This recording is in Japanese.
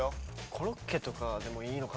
コロッケとかでもいいのかなと。